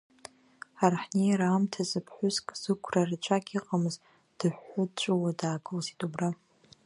Ҳара ҳнеира аамҭазы ԥҳәыск, зықәра рацәак иҟамыз, дыҳәҳәо дҵәуо даакылсит убра.